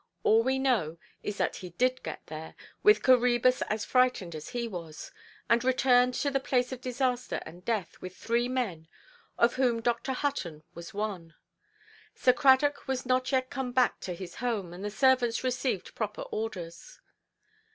All we know is that he did get there, with Coræbus as frightened as he was, and returned to the place of disaster and death, with three men, of whom Dr. Hutton was one. Sir Cradock was not yet come back to his home, and the servants received proper orders.